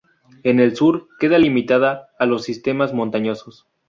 En el sur queda limitada a los sistemas montañosos.